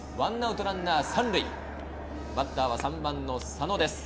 バッターは３番の佐野です。